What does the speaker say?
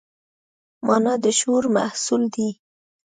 مانا د شعور محصول دی.